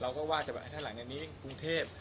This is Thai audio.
เราก็ว่าจะแบบถ้าหลังจากนี้ปรุงเทพ